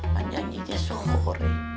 panjang jika sore